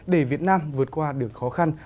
để việt nam vượt qua được khó khăn